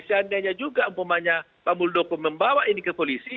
seandainya juga umpamanya pak muldoko membawa ini ke polisi